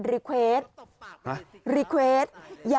พี่บอกว่าบ้านทุกคนในที่นี่